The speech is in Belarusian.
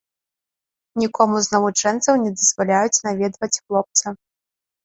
Нікому з навучэнцаў не дазваляюць наведваць хлопца.